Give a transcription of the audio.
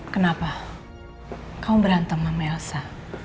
kenapa kau berantem sama elsa